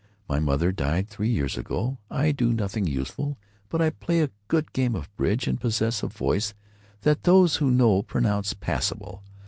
My mother died three years ago. I do nothing useful, but I play a good game of bridge and possess a voice that those as know pronounce passable.